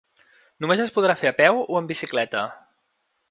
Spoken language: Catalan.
Només es podrà fer a peu o amb bicicleta.